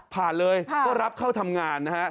ผ่านเลยก็รับเข้าทำงานนะฮะ